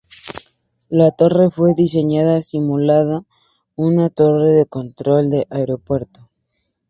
La torre fue diseñada simulando una torre de control de aeropuerto.